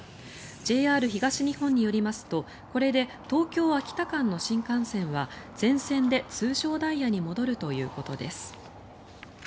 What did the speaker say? ＪＲ東日本によりますとこれで東京秋田間の新幹線は全線で、通常ダイヤに戻るということです。